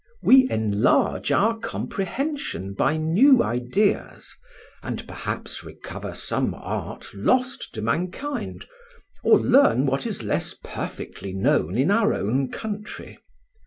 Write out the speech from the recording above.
We enlarge our comprehension by new ideas, and perhaps recover some art lost to mankind, or learn what is less perfectly known in our own country.